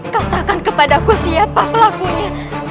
katakan kepada aku siapa pelakunya